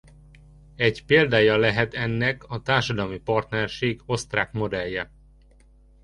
Egy példája lehet ennek az társadalmi partnerség osztrák modellje.